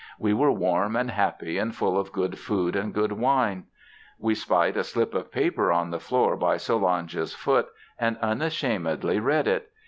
We were warm and happy and full of good food and good wine. I spied a slip of paper on the floor by Solange's foot and unashamedly read it.